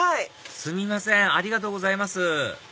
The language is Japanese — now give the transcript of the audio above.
すみませんありがとうございます